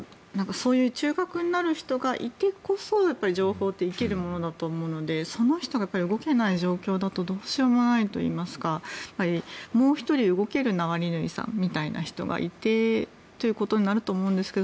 そういう中核になる人がいてこそ情報って生きるものだと思うのでその人が動けない状況だとどうしようもないといいますかもう１人動けるナワリヌイさんみたいな人がいてということになると思うんですが